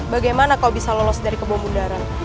bagaimana kau bisa lolos dari kebom udara